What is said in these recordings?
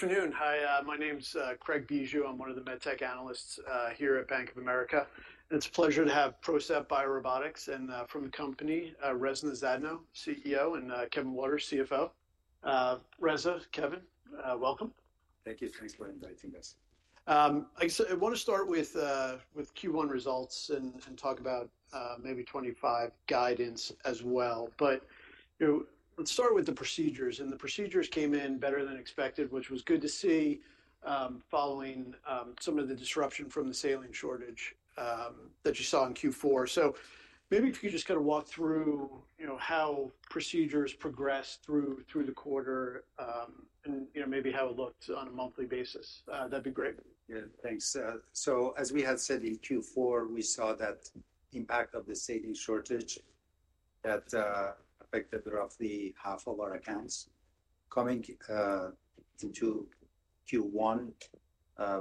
Good afternoon. Hi, my name's Craig Bijou. I'm one of the med tech analysts here at Bank of America. It's a pleasure to have PROCEPT BioRobotics and from the company, Reza Zadno, CEO, and Kevin Waters, CFO. Reza, Kevin, welcome. Thank you. Thanks for inviting us. I want to start with Q1 results and talk about maybe 2025 guidance as well. Let's start with the procedures. The procedures came in better than expected, which was good to see following some of the disruption from the saline shortage that you saw in Q4. Maybe if you could just kind of walk through how procedures progressed through the quarter and maybe how it looked on a monthly basis, that'd be great. Yeah, thanks. As we had said in Q4, we saw that impact of the saline shortage that affected roughly half of our accounts. Coming into Q1,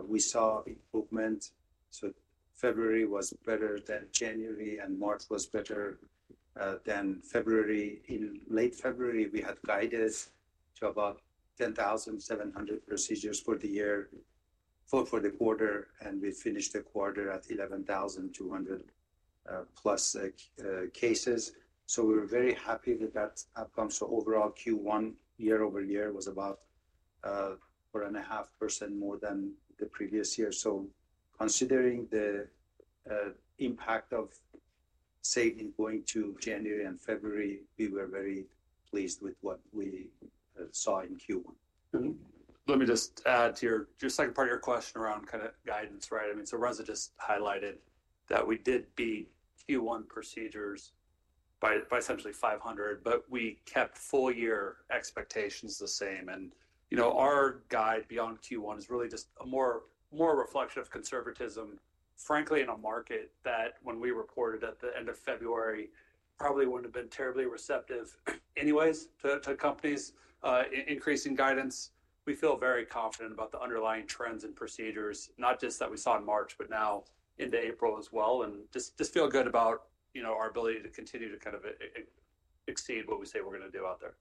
we saw improvement. February was better than January, and March was better than February. In late February, we had guidance to about 10,700 procedures for the year, four for the quarter, and we finished the quarter at 11,200 plus cases. We were very happy with that outcome. Overall, Q1 year over year was about 4.5% more than the previous year. Considering the impact of saline going to January and February, we were very pleased with what we saw in Q1. Let me just add to your second part of your question around kind of guidance, right? I mean, Reza just highlighted that we did beat Q1 procedures by essentially 500, but we kept full-year expectations the same. Our guide beyond Q1 is really just a more reflective conservatism, frankly, in a market that when we reported at the end of February, probably would not have been terribly receptive anyways to companies increasing guidance. We feel very confident about the underlying trends in procedures, not just that we saw in March, but now into April as well. We just feel good about our ability to continue to kind of exceed what we say we are going to do out there.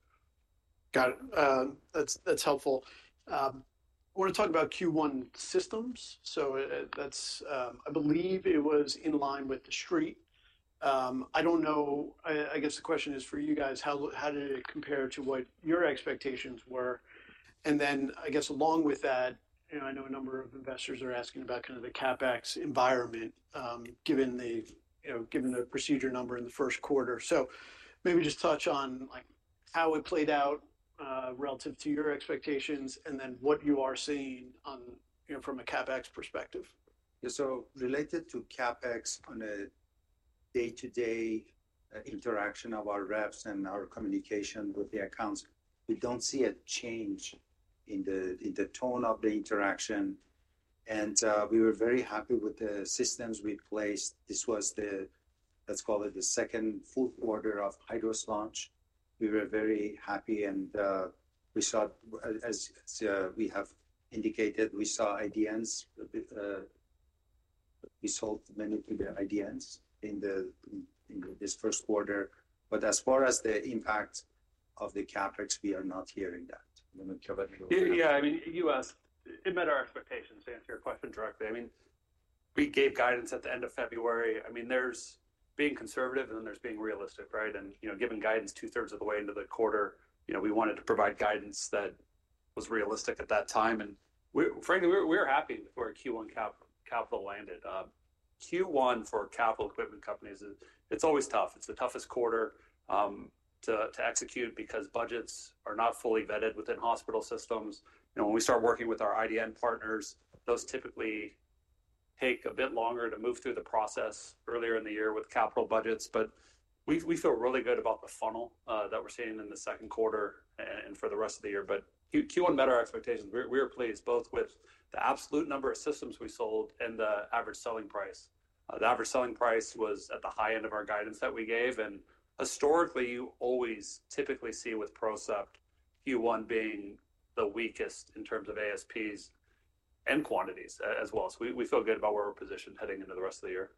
Got it. That is helpful. I want to talk about Q1 systems. I believe it was in line with the street. I don't know, I guess the question is for you guys, how did it compare to what your expectations were? I guess along with that, I know a number of investors are asking about kind of the CapEx environment given the procedure number in the first quarter. Maybe just touch on how it played out relative to your expectations and then what you are seeing from a CapEx perspective. Yeah, so related to CapEx on a day-to-day interaction of our reps and our communication with the accounts, we do not see a change in the tone of the interaction. We were very happy with the systems we placed. This was, let's call it, the second full quarter of Hydros launch. We were very happy. We saw, as we have indicated, we saw IDNs. We sold many IDNs in this first quarter. As far as the impact of the CapEx, we are not hearing that. Yeah, I mean, you asked, it met our expectations to answer your question directly. I mean, we gave guidance at the end of February. I mean, there's being conservative and then there's being realistic, right? Given guidance two-thirds of the way into the quarter, we wanted to provide guidance that was realistic at that time. Frankly, we were happy with where Q1 capital landed. Q1 for capital equipment companies, it's always tough. It's the toughest quarter to execute because budgets are not fully vetted within hospital systems. When we start working with our IDN partners, those typically take a bit longer to move through the process earlier in the year with capital budgets. We feel really good about the funnel that we're seeing in the second quarter and for the rest of the year. Q1 met our expectations. We were pleased both with the absolute number of systems we sold and the average selling price. The average selling price was at the high end of our guidance that we gave. Historically, you always typically see with PROCEPT, Q1 being the weakest in terms of ASPs and quantities as well. We feel good about where we're positioned heading into the rest of the year.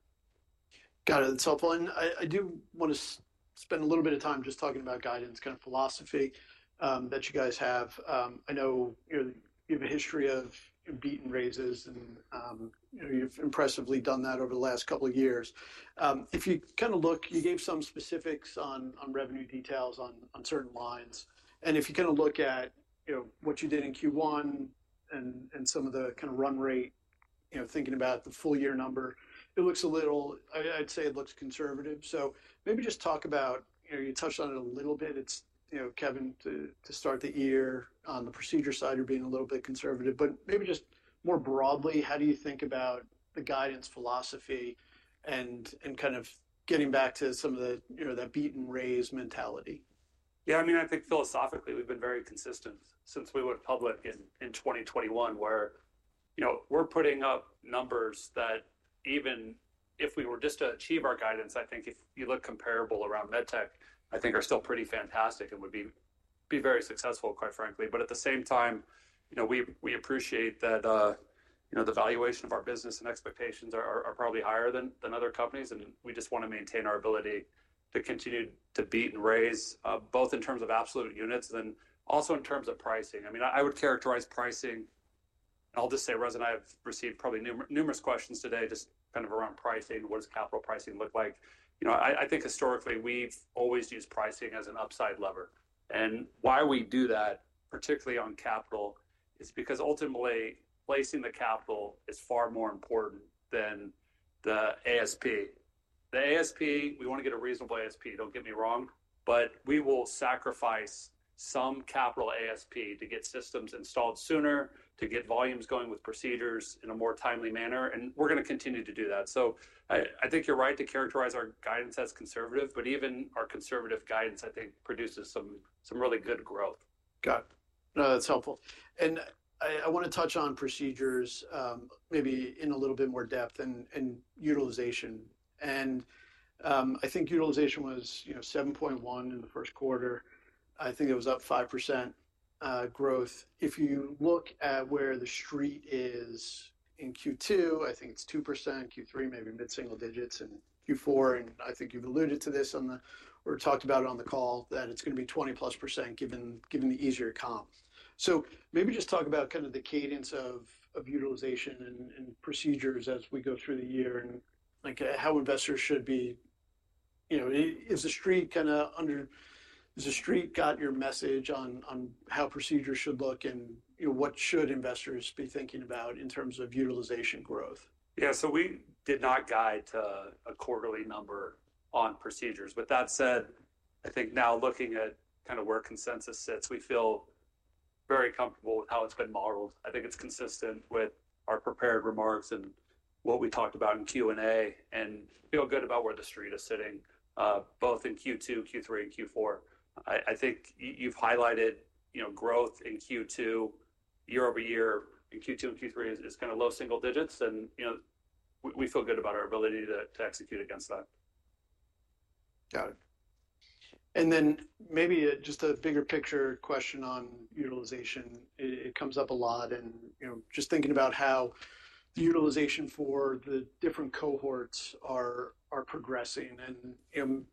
Got it. That's helpful. I do want to spend a little bit of time just talking about guidance, kind of philosophy that you guys have. I know you have a history of beaten raises, and you've impressively done that over the last couple of years. If you kind of look, you gave some specifics on revenue details on certain lines. If you kind of look at what you did in Q1 and some of the kind of run rate, thinking about the full-year number, it looks a little, I'd say it looks conservative. Maybe just talk about, you touched on it a little bit, Kevin, to start the year on the procedure side, you're being a little bit conservative. Maybe just more broadly, how do you think about the guidance philosophy and kind of getting back to some of that beaten raise mentality? Yeah, I mean, I think philosophically, we've been very consistent since we were public in 2021, where we're putting up numbers that even if we were just to achieve our guidance, I think if you look comparable around med tech, I think are still pretty fantastic and would be very successful, quite frankly. At the same time, we appreciate that the valuation of our business and expectations are probably higher than other companies. We just want to maintain our ability to continue to beat and raise, both in terms of absolute units and then also in terms of pricing. I mean, I would characterize pricing, and I'll just say Reza and I have received probably numerous questions today just kind of around pricing, what does capital pricing look like? I think historically, we've always used pricing as an upside lever. Why we do that, particularly on capital, is because ultimately, placing the capital is far more important than the ASP. The ASP, we want to get a reasonable ASP, do not get me wrong. We will sacrifice some capital ASP to get systems installed sooner, to get volumes going with procedures in a more timely manner. We're going to continue to do that. I think you're right to characterize our guidance as conservative, but even our conservative guidance, I think, produces some really good growth. Got it. No, that's helpful. I want to touch on procedures maybe in a little bit more depth and utilization. I think utilization was 7.1 in the first quarter. I think it was up 5% growth. If you look at where the street is in Q2, I think it's 2%. Q3, maybe mid-single digits. Q4, and I think you've alluded to this or talked about it on the call, that it's going to be 20% given the easier comp. Maybe just talk about kind of the cadence of utilization and procedures as we go through the year and how investors should be. Is the street kind of under, is the street got your message on how procedures should look and what should investors be thinking about in terms of utilization growth? Yeah, so we did not guide to a quarterly number on procedures. With that said, I think now looking at kind of where consensus sits, we feel very comfortable with how it's been modeled. I think it's consistent with our prepared remarks and what we talked about in Q&A and feel good about where the street is sitting, both in Q2, Q3, and Q4. I think you've highlighted growth in Q2 year over year. In Q2 and Q3, it's kind of low single digits, and we feel good about our ability to execute against that. Got it. Maybe just a bigger picture question on utilization. It comes up a lot. Just thinking about how the utilization for the different cohorts are progressing.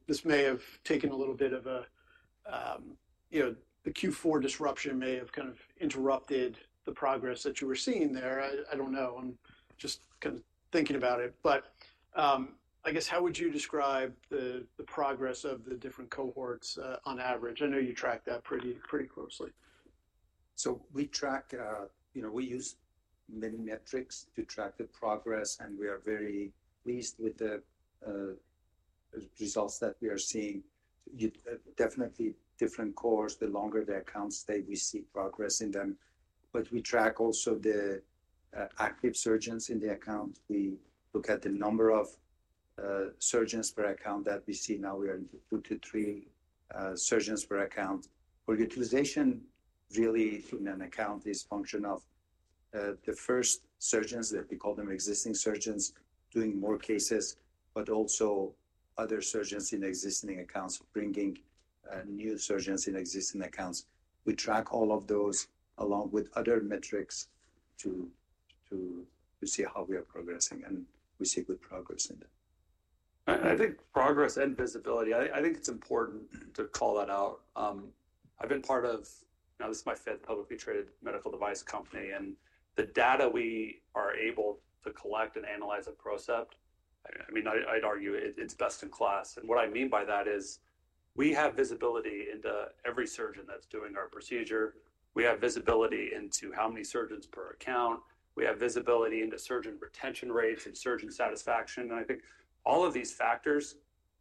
This may have taken a little bit of a—the Q4 disruption may have kind of interrupted the progress that you were seeing there. I do not know. I am just kind of thinking about it. I guess how would you describe the progress of the different cohorts on average? I know you track that pretty closely. We use many metrics to track the progress, and we are very pleased with the results that we are seeing. Definitely different cores, the longer the accounts stay, we see progress in them. We track also the active surgeons in the account. We look at the number of surgeons per account that we see. Now we are in the two to three surgeons per account. For utilization, really, in an account is function of the first surgeons that we call them existing surgeons doing more cases, but also other surgeons in existing accounts bringing new surgeons in existing accounts. We track all of those along with other metrics to see how we are progressing, and we see good progress in them. I think progress and visibility, I think it's important to call that out. I've been part of, now this is my fifth publicly traded medical device company, and the data we are able to collect and analyze at PROCEPT, I mean, I'd argue it's best in class. And what I mean by that is we have visibility into every surgeon that's doing our procedure. We have visibility into how many surgeons per account. We have visibility into surgeon retention rates and surgeon satisfaction. I think all of these factors,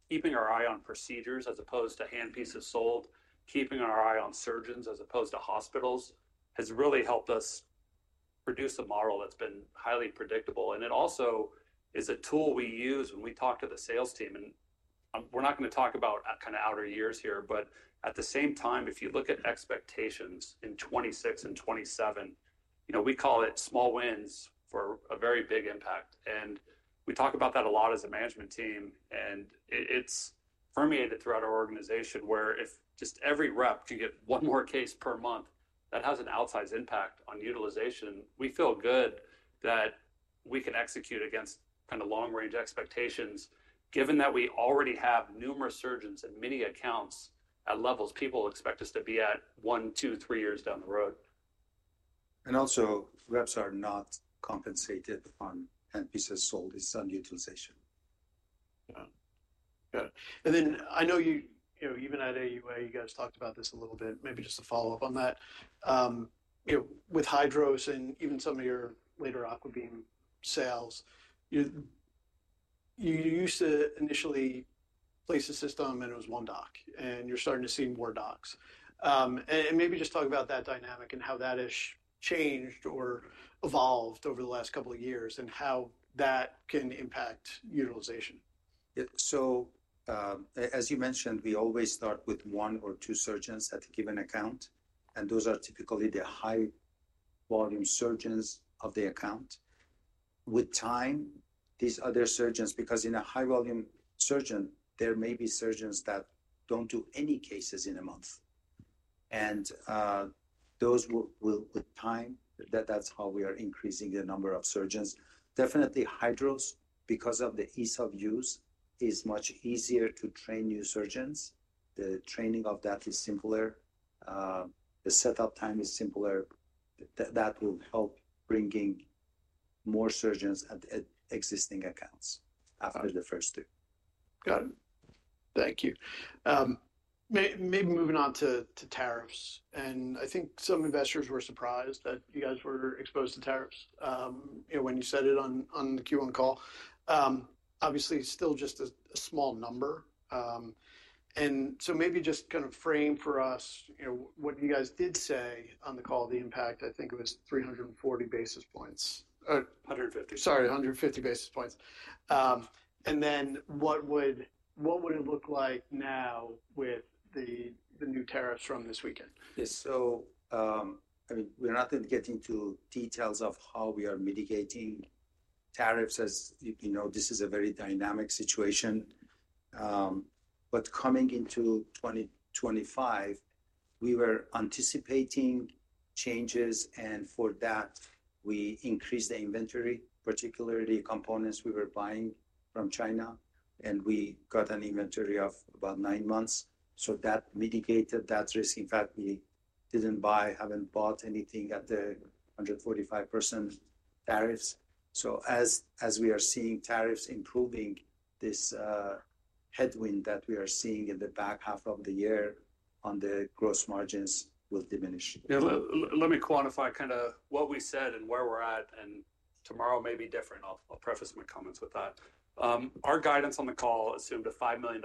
keeping our eye on procedures as opposed to handpieces sold, keeping our eye on surgeons as opposed to hospitals has really helped us produce a model that's been highly predictable. It also is a tool we use when we talk to the sales team. We're not going to talk about kind of outer years here, but at the same time, if you look at expectations in 2026 and 2027, we call it small wins for a very big impact. We talk about that a lot as a management team. It has permeated throughout our organization where if just every rep can get one more case per month, that has an outsized impact on utilization. We feel good that we can execute against kind of long-range expectations, given that we already have numerous surgeons and many accounts at levels people expect us to be at one, two, three years down the road. Reps are not compensated on handpieces sold. It's on utilization. Got it. I know you even at AUA, you guys talked about this a little bit, maybe just to follow up on that. With Hydros and even some of your later AquaBeam sales, you used to initially place a system, and it was one doc, and you're starting to see more docs. Maybe just talk about that dynamic and how that has changed or evolved over the last couple of years and how that can impact utilization. Yeah. As you mentioned, we always start with one or two surgeons at a given account, and those are typically the high-volume surgeons of the account. With time, these other surgeons, because in a high-volume surgeon, there may be surgeons that do not do any cases in a month. Those will, with time, that is how we are increasing the number of surgeons. Definitely, Hydros, because of the ease of use, is much easier to train new surgeons. The training of that is simpler. The setup time is simpler. That will help bringing more surgeons at existing accounts after the first two. Got it. Thank you. Maybe moving on to tariffs. I think some investors were surprised that you guys were exposed to tariffs when you said it on the Q1 call. Obviously, still just a small number. Maybe just kind of frame for us what you guys did say on the call, the impact, I think it was 340 basis points. 150. Sorry, 150 basis points. What would it look like now with the new tariffs from this weekend? Yes. So I mean, we're not getting to details of how we are mitigating tariffs as this is a very dynamic situation. But coming into 2025, we were anticipating changes, and for that, we increased the inventory, particularly components we were buying from China. And we got an inventory of about nine months. So that mitigated that risk. In fact, we didn't buy, haven't bought anything at the 145% tariffs. So as we are seeing tariffs improving, this headwind that we are seeing in the back half of the year on the gross margins will diminish. Yeah. Let me quantify kind of what we said and where we're at. Tomorrow may be different. I'll preface my comments with that. Our guidance on the call assumed a $5 million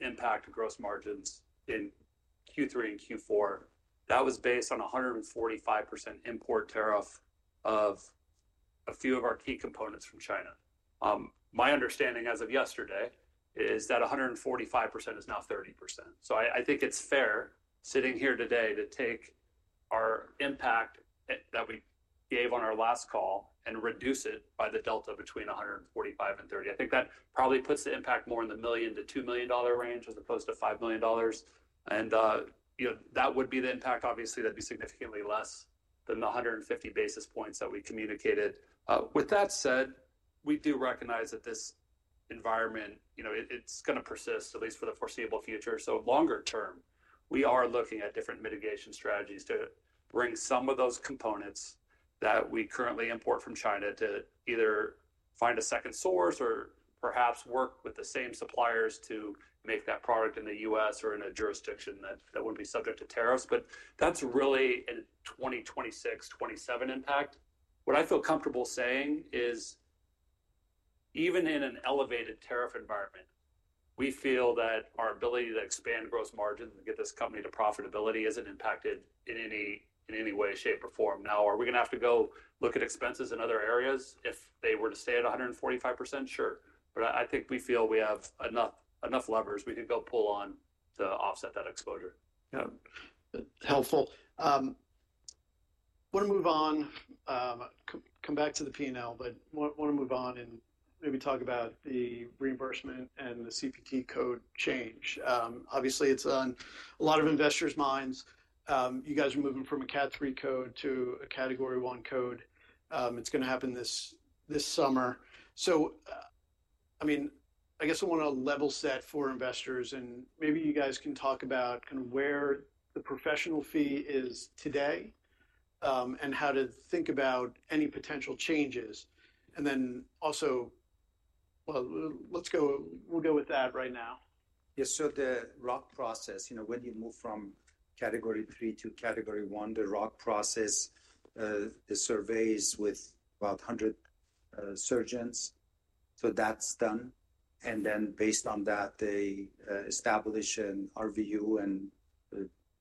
impact to gross margins in Q3 and Q4. That was based on a 145% import tariff of a few of our key components from China. My understanding as of yesterday is that 145% is now 30%. I think it's fair sitting here today to take our impact that we gave on our last call and reduce it by the delta between 145% and 30%. I think that probably puts the impact more in the $1 million-$2 million range as opposed to $5 million. That would be the impact, obviously, that'd be significantly less than the 150 basis points that we communicated. With that said, we do recognize that this environment, it's going to persist at least for the foreseeable future. Longer term, we are looking at different mitigation strategies to bring some of those components that we currently import from China to either find a second source or perhaps work with the same suppliers to make that product in the U.S. or in a jurisdiction that would not be subject to tariffs. That is really a 2026-2027 impact. What I feel comfortable saying is even in an elevated tariff environment, we feel that our ability to expand gross margins and get this company to profitability is not impacted in any way, shape, or form. Now, are we going to have to go look at expenses in other areas if they were to stay at 145%? Sure. I think we feel we have enough levers we could go pull on to offset that exposure. Yeah. Helpful. Want to move on, come back to the P&L, but want to move on and maybe talk about the reimbursement and the CPT code change. Obviously, it's on a lot of investors' minds. You guys are moving from a Category III code to a Category I code. It's going to happen this summer. I mean, I guess I want to level set for investors, and maybe you guys can talk about kind of where the professional fee is today and how to think about any potential changes. And then also, well, we'll go with that right now. Yes. The RUC process, when you move from Category III to Category I, the RUC process, the surveys with about 100 surgeons. That's done. Then based on that, they establish an RVU and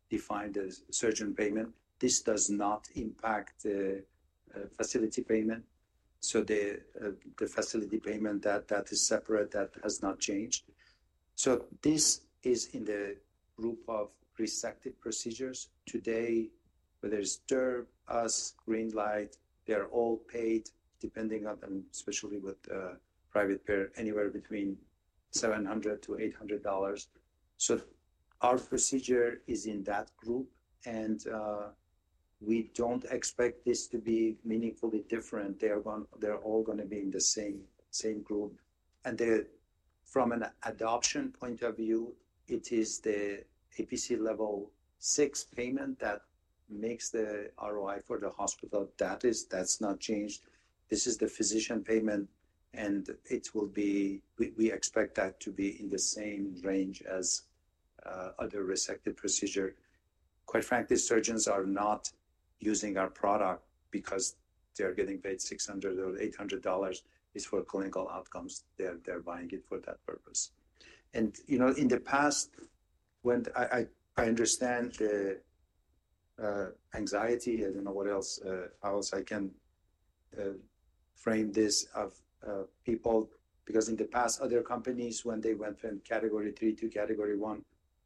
define the surgeon payment. This does not impact the facility payment. The facility payment is separate, that has not changed. This is in the group of resected procedures. Today, whether it's TUR, U.S., Greenlight, they're all paid depending on, especially with private payer, anywhere between $700-$800. Our procedure is in that group, and we don't expect this to be meaningfully different. They're all going to be in the same group. From an adoption point of view, it is the APC level six payment that makes the ROI for the hospital. That's not changed. This is the physician payment, and we expect that to be in the same range as other resected procedure. Quite frankly, surgeons are not using our product because they're getting paid $600 or $800. It's for clinical outcomes. They're buying it for that purpose. In the past, I understand the anxiety. I don't know what else I can frame this of people because in the past, other companies, when they went from Category III to Category I,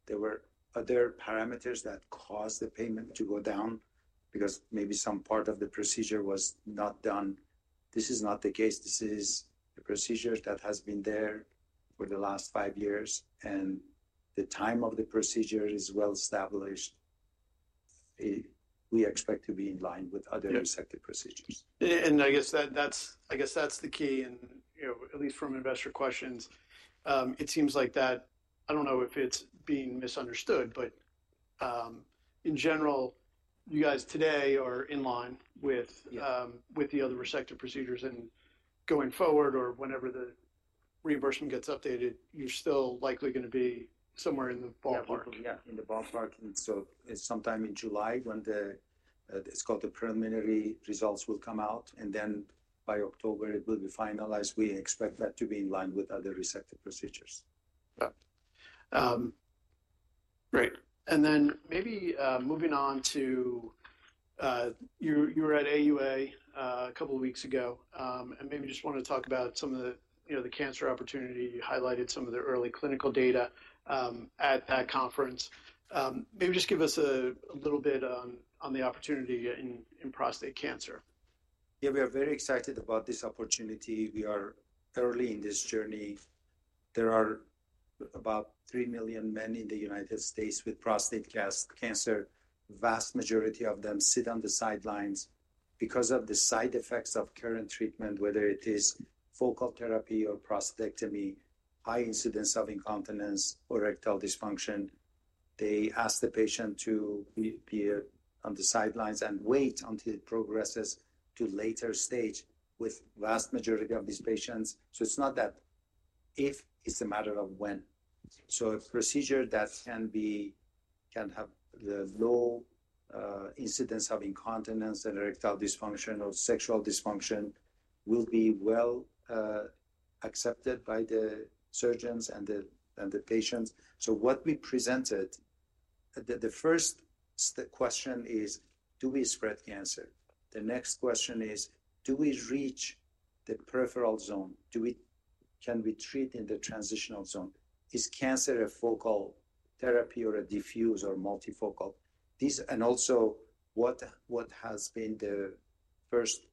there were other parameters that caused the payment to go down because maybe some part of the procedure was not done. This is not the case. This is a procedure that has been there for the last five years, and the time of the procedure is well established. We expect to be in line with other resected procedures. I guess that's the key. At least from investor questions, it seems like that, I don't know if it's being misunderstood, but in general, you guys today are in line with the other resected procedures. Going forward or whenever the reimbursement gets updated, you're still likely going to be somewhere in the ballpark. Yeah, in the ballpark. It's sometime in July when it's called the preliminary results will come out. Then by October, it will be finalized. We expect that to be in line with other resected procedures. Yeah. Great. Maybe moving on to you were at AUA a couple of weeks ago, and maybe just want to talk about some of the cancer opportunity. You highlighted some of the early clinical data at that conference. Maybe just give us a little bit on the opportunity in prostate cancer. Yeah, we are very excited about this opportunity. We are early in this journey. There are about 3 million men in the United States with prostate cancer. Vast majority of them sit on the sidelines because of the side effects of current treatment, whether it is focal therapy or prostatectomy, high incidence of incontinence or erectile dysfunction. They ask the patient to be on the sidelines and wait until it progresses to later stage with the vast majority of these patients. It is not that if, it is a matter of when. A procedure that can have the low incidence of incontinence and erectile dysfunction or sexual dysfunction will be well accepted by the surgeons and the patients. What we presented, the first question is, do we spread cancer? The next question is, do we reach the peripheral zone? Can we treat in the transitional zone? Is cancer a focal therapy or a diffuse or multifocal? And also, what has been the first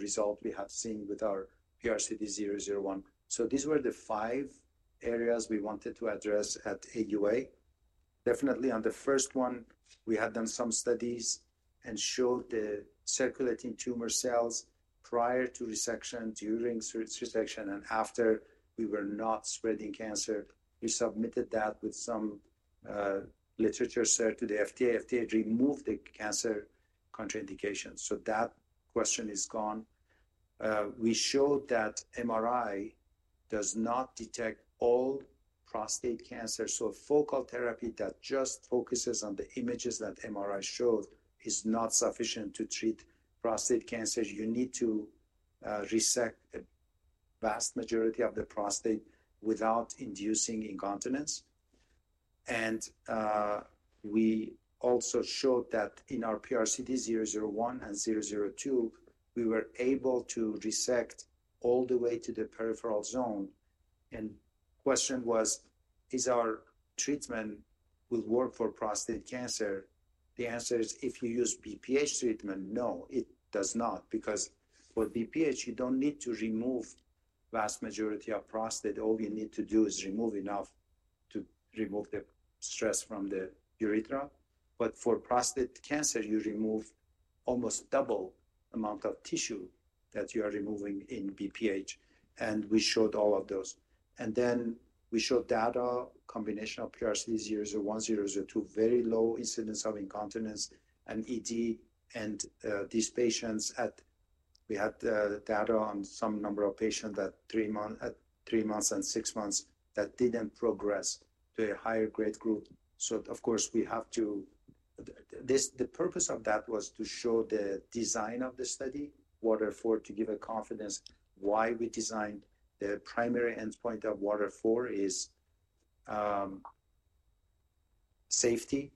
result we have seen with our PRCD 001? These were the five areas we wanted to address at AUA. Definitely, on the first one, we had done some studies and showed the circulating tumor cells prior to resection, during resection, and after we were not spreading cancer. We submitted that with some literature shared to the FDA. FDA removed the cancer contraindications. That question is gone. We showed that MRI does not detect all prostate cancer. Focal therapy that just focuses on the images that MRI showed is not sufficient to treat prostate cancer. You need to resect the vast majority of the prostate without inducing incontinence. We also showed that in our PRCD 001 and 002, we were able to resect all the way to the peripheral zone. The question was, is our treatment will work for prostate cancer? The answer is, if you use BPH treatment, no, it does not. Because for BPH, you do not need to remove the vast majority of prostate. All you need to do is remove enough to remove the stress from the urethra. For prostate cancer, you remove almost double the amount of tissue that you are removing in BPH. We showed all of those. We showed data, combination of PRCD 001, 002, very low incidence of incontinence and ED. In these patients, we had data on some number of patients at three months and six months that did not progress to a higher grade group. The purpose of that was to show the design of the study, Water IV, to give a confidence. Why we designed the primary endpoint of Water IV is safety,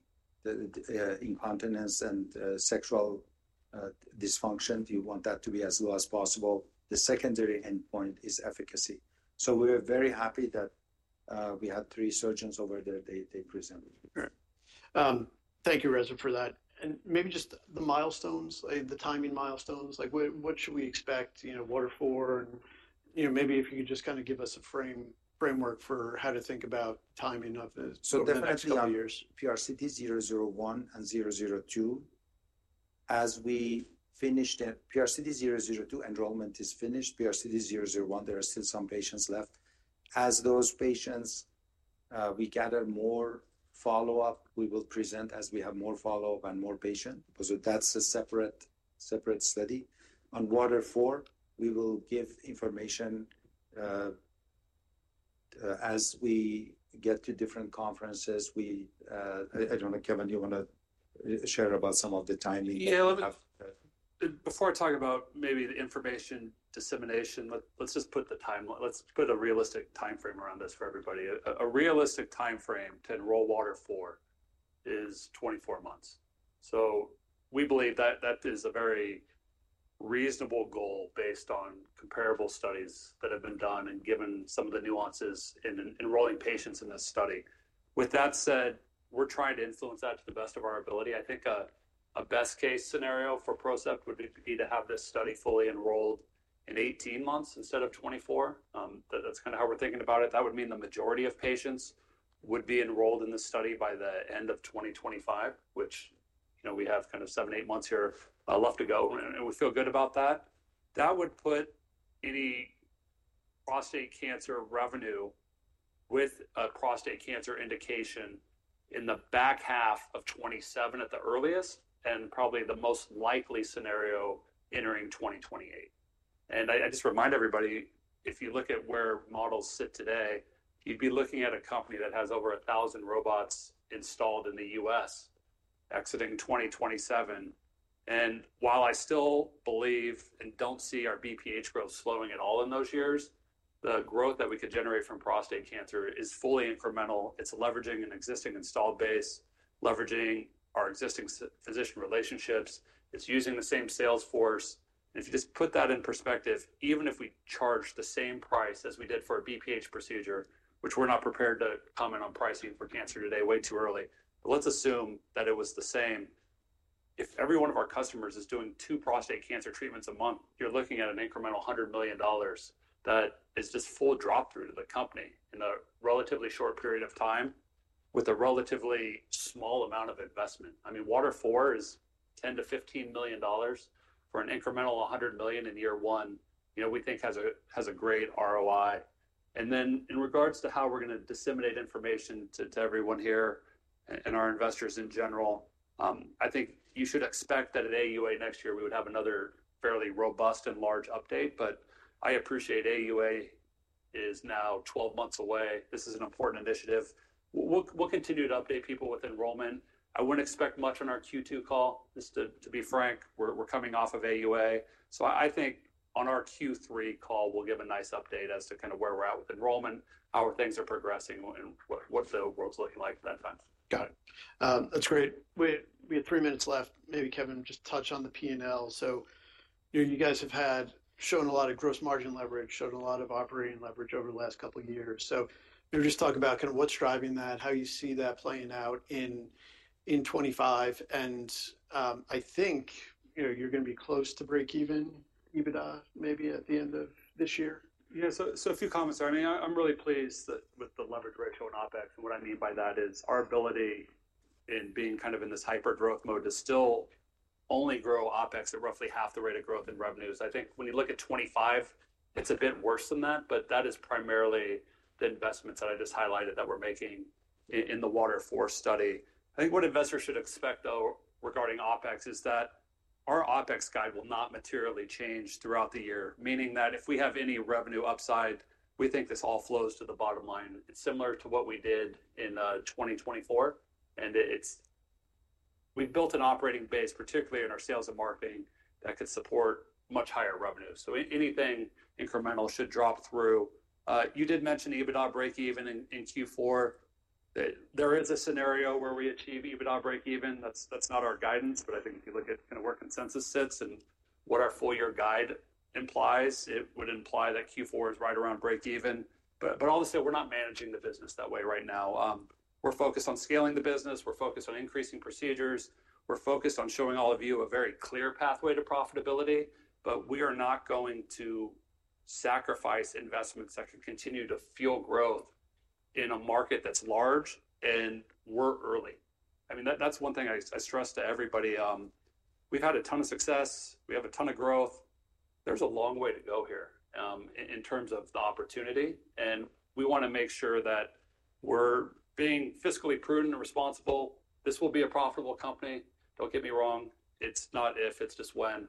incontinence, and sexual dysfunction. You want that to be as low as possible. The secondary endpoint is efficacy. We were very happy that we had three surgeons over there. They presented. Great. Thank you, Reza, for that. Maybe just the milestones, the timing milestones. What should we expect? Water IV, and maybe if you could just kind of give us a framework for how to think about timing of the next couple of years. Definitely PRCD 001 and 002. As we finished PRCD 002, enrollment is finished. PRCD 001, there are still some patients left. As those patients, we gather more follow-up, we will present as we have more follow-up and more patients. That is a separate study. On Water IV, we will give information as we get to different conferences. I do not know, Kevin, you want to share about some of the timing? Yeah. Before I talk about maybe the information dissemination, let's just put the timeline. Let's put a realistic timeframe around this for everybody. A realistic timeframe to enroll Water IV is 24 months. We believe that that is a very reasonable goal based on comparable studies that have been done and given some of the nuances in enrolling patients in this study. With that said, we're trying to influence that to the best of our ability. I think a best-case scenario for PROCEPT would be to have this study fully enrolled in 18 months instead of 24. That's kind of how we're thinking about it. That would mean the majority of patients would be enrolled in this study by the end of 2025, which we have kind of seven, eight months here left to go, and we feel good about that. That would put any prostate cancer revenue with a prostate cancer indication in the back half of 2027 at the earliest and probably the most likely scenario entering 2028. I just remind everybody, if you look at where models sit today, you'd be looking at a company that has over 1,000 robots installed in the US exiting 2027. While I still believe and don't see our BPH growth slowing at all in those years, the growth that we could generate from prostate cancer is fully incremental. It's leveraging an existing installed base, leveraging our existing physician relationships. It's using the same sales force. If you just put that in perspective, even if we charge the same price as we did for a BPH procedure, which we're not prepared to comment on pricing for cancer today, way too early, but let's assume that it was the same. If every one of our customers is doing two prostate cancer treatments a month, you're looking at an incremental $100 million that is just full drop-through to the company in a relatively short period of time with a relatively small amount of investment. I mean, Water IV is $10-$15 million for an incremental $100 million in year one. We think has a great ROI. In regards to how we're going to disseminate information to everyone here and our investors in general, I think you should expect that at AUA next year, we would have another fairly robust and large update. I appreciate AUA is now 12 months away. This is an important initiative. We'll continue to update people with enrollment. I wouldn't expect much on our Q2 call. Just to be frank, we're coming off of AUA. I think on our Q3 call, we'll give a nice update as to kind of where we're at with enrollment, how things are progressing, and what the world's looking like at that time. Got it. That's great. We have three minutes left. Maybe, Kevin, just touch on the P&L. You guys have shown a lot of gross margin leverage, shown a lot of operating leverage over the last couple of years. Maybe just talk about kind of what's driving that, how you see that playing out in 2025. I think you're going to be close to break-even, EBITDA, maybe at the end of this year. Yeah. So a few comments. I mean, I'm really pleased with the leverage ratio and OPEX. And what I mean by that is our ability in being kind of in this hyper-growth mode to still only grow OPEX at roughly half the rate of growth in revenues. I think when you look at 2025, it's a bit worse than that, but that is primarily the investments that I just highlighted that we're making in the Water IV study. I think what investors should expect, though, regarding OPEX is that our OPEX guide will not materially change throughout the year, meaning that if we have any revenue upside, we think this all flows to the bottom line. It's similar to what we did in 2024. And we've built an operating base, particularly in our sales and marketing, that could support much higher revenue. So anything incremental should drop through. You did mention EBITDA break-even in Q4. There is a scenario where we achieve EBITDA break-even. That's not our guidance, but I think if you look at kind of where consensus sits and what our full-year guide implies, it would imply that Q4 is right around break-even. Obviously, we're not managing the business that way right now. We're focused on scaling the business. We're focused on increasing procedures. We're focused on showing all of you a very clear pathway to profitability, but we are not going to sacrifice investments that can continue to fuel growth in a market that's large and we're early. I mean, that's one thing I stress to everybody. We've had a ton of success. We have a ton of growth. There's a long way to go here in terms of the opportunity. We want to make sure that we're being fiscally prudent and responsible. This will be a profitable company. Don't get me wrong. It's not if, it's just when.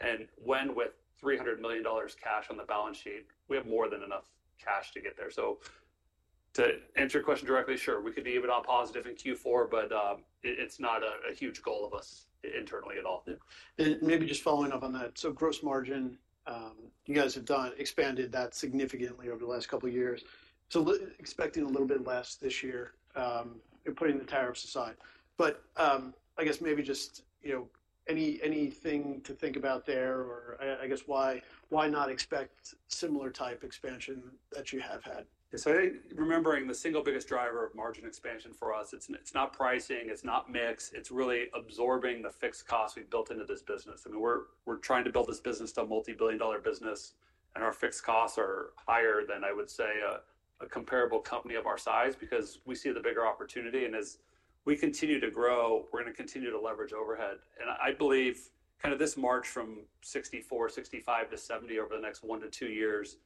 And when with $300 million cash on the balance sheet, we have more than enough cash to get there. To answer your question directly, sure, we could be EBITDA positive in Q4, but it's not a huge goal of us internally at all. Maybe just following up on that. Gross margin, you guys have expanded that significantly over the last couple of years. Expecting a little bit less this year, putting the tariffs aside. I guess maybe just anything to think about there or I guess why not expect similar type expansion that you have had? I think remembering the single biggest driver of margin expansion for us, it's not pricing, it's not mix. It's really absorbing the fixed costs we've built into this business. I mean, we're trying to build this business to a multi-billion dollar business, and our fixed costs are higher than, I would say, a comparable company of our size because we see the bigger opportunity. As we continue to grow, we're going to continue to leverage overhead. I believe kind of this march from 64-65% to 70% over the next one to two years,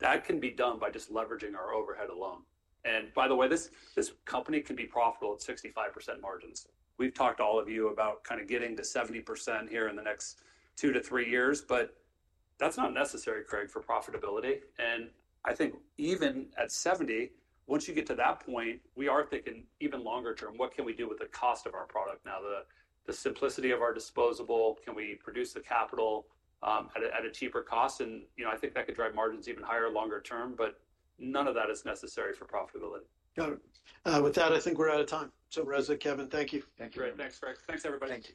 that can be done by just leveraging our overhead alone. By the way, this company can be profitable at 65% margins. We've talked to all of you about kind of getting to 70% here in the next two to three years, but that's not necessary, Craig, for profitability. I think even at 70, once you get to that point, we are thinking even longer term, what can we do with the cost of our product? Now, the simplicity of our disposable, can we produce the capital at a cheaper cost? I think that could drive margins even higher longer term, but none of that is necessary for profitability. Got it. With that, I think we're out of time. So Reza, Kevin, thank you. Thank you. Great. Thanks, Craig. Thanks, everybody.